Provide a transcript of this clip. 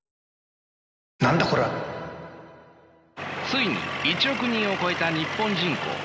ついに１億人を超えた日本人口。